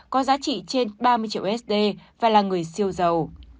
có giá trị trên ba mươi triệu usd và là người siêu giàu